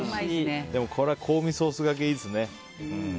でも、これは香味ソースがけいいですね。